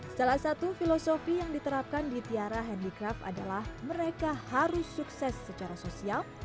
salah satu filosofi yang diterapkan di tiara handicraft adalah mereka harus sukses secara sosial